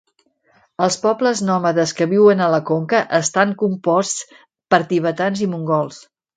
Els pobles nòmades que viuen a la conca estan composts per tibetans i mongols.